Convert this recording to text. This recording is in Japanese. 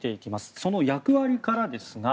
その役割からです。